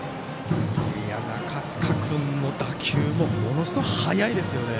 中塚君の打球もものすごい速いですよね。